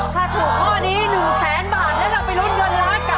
ถ้าถูกข้อนี้หนึ่งแสนบาทแล้วเราไปลุ้นเงินล้านกลับบ้านนะครับ